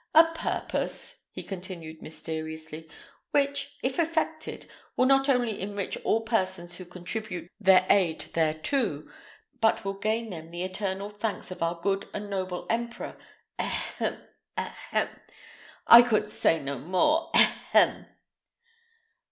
A purpose," he continued, mysteriously, "which, if effected, will not only enrich all persons who contribute their aid thereto, but will gain them the eternal thanks of our good and noble emperor ahem! ahem! I could say more ahem!"